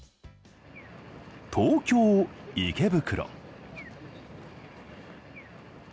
東京・池袋。